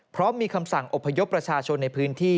เพราะมีคำสั่งอบพยพประชาชนในพื้นที่